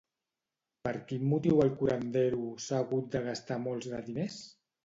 Per quin motiu el curandero s'ha hagut de gastar molts de diners?